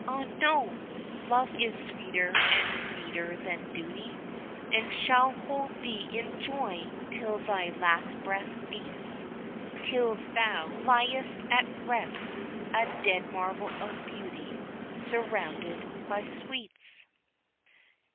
Ah, no! Love is sweeter and meeter than duty, And shall hold thee in joy till thy last breath beats, Till thou liest at rest a dead marvel of beauty Surrounded by sweets.